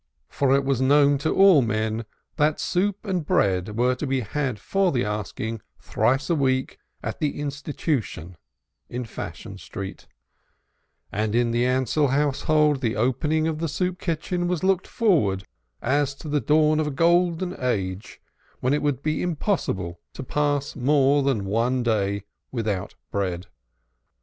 For it was known to all men that soup and bread were to be had for the asking thrice a week at the Institution in Fashion Street, and in the Ansell household the opening of the soup kitchen was looked forward to as the dawn of a golden age, when it would be impossible to pass more than one day without bread.